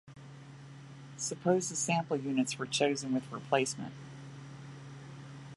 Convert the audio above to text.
Suppose the sample units were chosen with replacement.